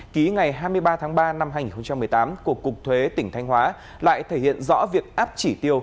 ký ngày hai mươi ba tháng ba năm hai nghìn một mươi tám của cục thuế tỉnh thanh hóa lại thể hiện rõ việc áp chỉ tiêu